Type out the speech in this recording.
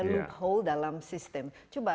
look hole dalam sistem coba